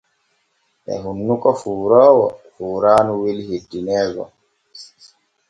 E hunnuko fuuroowo fuuraanu weli hettineego.